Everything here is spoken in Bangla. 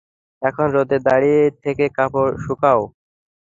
এখন রোদে দাঁড়িয়ে থেকে কাপড় শুকাও।